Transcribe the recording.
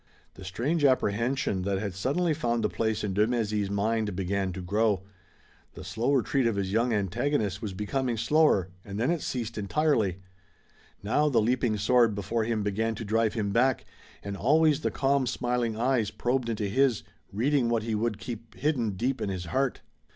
The strange apprehension that had suddenly found a place in de Mézy's mind began to grow. The slow retreat of his young antagonist was becoming slower and then it ceased entirely. Now the leaping sword before him began to drive him back, and always the calm smiling eyes probed into his, reading what he would keep hidden deep in his heart.